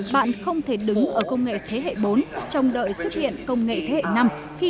bạn không thể đứng ở công nghệ thế hệ bốn trong đợi xuất hiện công nghệ thế hệ năm